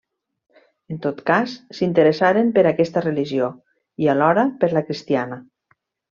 En tot cas, s'interessaren per aquesta religió i, alhora, per la cristiana.